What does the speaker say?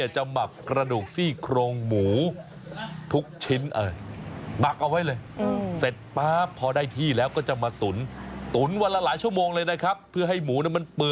จะหมักกระหนูกซี่โครงหมูทุกชิ้น